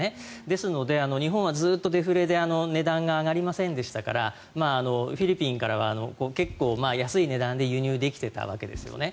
ですので、日本はずっとデフレで値段が上がりませんでしたからフィリピンからは結構安い値段で輸入できていたわけですよね。